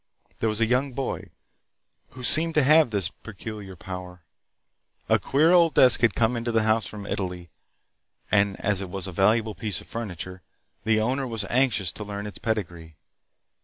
There was a young boy who seemed to have this peculiar power. A queer old desk had come into the house from Italy, and as it was a valuable piece of furniture, the owner was anxious to learn its pedigree.